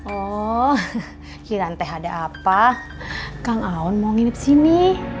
oh kirantai ada apa kang aon mau nginep sini